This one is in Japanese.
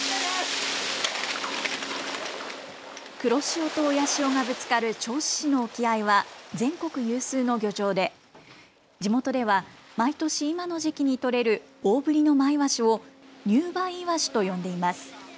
黒潮と親潮がぶつかる銚子市の沖合は全国有数の漁場で地元では毎年、今の時期に取れる大ぶりのまいわしを入梅いわしと呼んでいます。